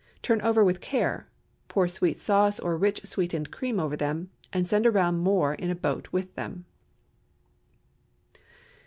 Turn over with care; pour sweet sauce or rich sweetened cream over them, and send around more in a boat with them.